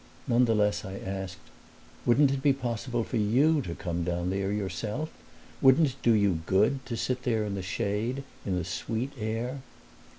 Nonetheless I asked, "Wouldn't it be possible for you to come down there yourself? Wouldn't it do you good to sit there in the shade, in the sweet air?"